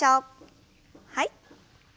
はい。